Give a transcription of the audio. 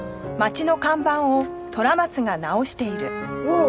おお！